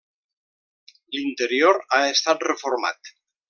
L'interior ha estat reformat.